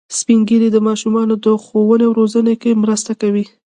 سپین ږیری د ماشومانو د ښوونې او روزنې کې مرسته کوي